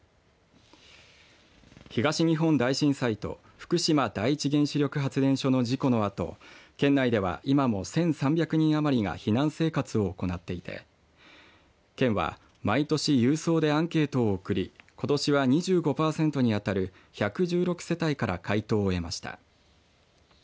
東日本大震災と福島第一原子力発電所の事故のあと県内では今も１３００人余りが避難生活を行っていて県は毎年郵送でアンケートを送りことしは２５％にあたる１１６世帯から回答を得ました。